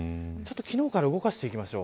昨日から動かしていきます。